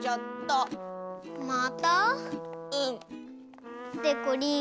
うん。でこりん